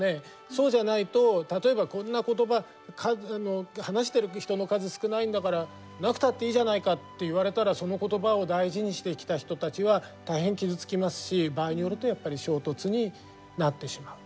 そうじゃないと例えばこんなことば話してる人の数少ないんだからなくたっていいじゃないかって言われたらそのことばを大事にしてきた人たちは大変傷つきますし場合によるとやっぱり衝突になってしまう。